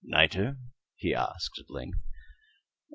"Nitre?" he asked, at length.